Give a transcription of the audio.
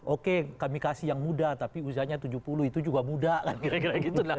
oke kami kasih yang muda tapi usianya tujuh puluh itu juga muda kan kira kira gitu lah